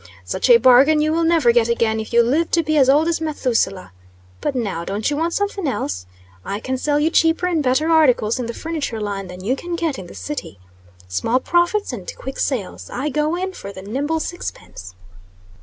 Such a bargain you will never get again, if you live to be as old as Mathuselah. But, now, don't you want something else? I can sell you cheaper and better articles in the furniture line than you can get in the city. Small profits and quick sales I go in for the nimble sixpence."